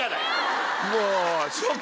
もう。